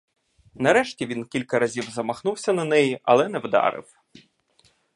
Нарешті він кілька разів замахнувся на неї, але не вдарив.